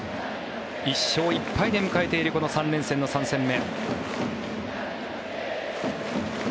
１勝１敗で迎えているこの３連戦の３戦目。